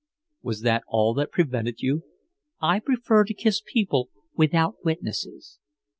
"Was that all that prevented you?" "I prefer to kiss people without witnesses."